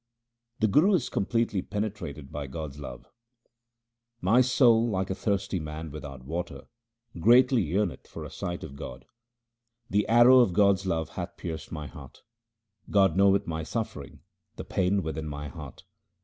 The Guru is completely penetrated by God's love :— My soul, like a thirsty man without water, greatly yearneth for a sight of God. The arrow of God's love hath pierced my heart. God knoweth my suffering, the pain within my heart.